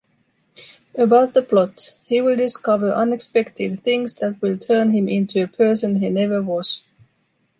About the plot, he will discover unexpected things that will turn him into a person he never was.